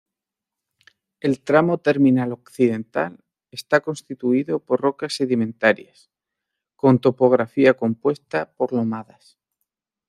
El tramo terminal occidental está constituido por rocas sedimentarias, con topografía compuesta por lomadas.